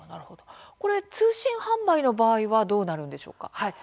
これと通信販売の場合はどうなるんですか。